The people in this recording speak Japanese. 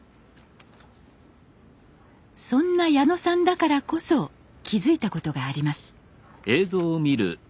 そんな矢野さんだからこそ気付いたことがあります